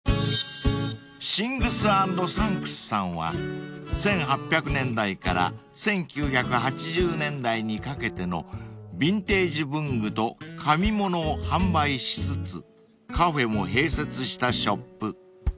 ［シングスアンドサンクスさんは１８００年代から１９８０年代にかけてのビンテージ文具と紙物を販売しつつカフェも併設したショップ］